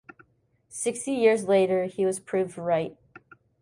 Sixty years later he was proved right.